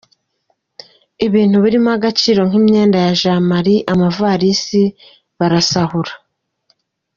Ibintu birimo agaciro nk’imyenda ya Jean Marie amavalisi barasahura.